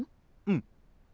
うん。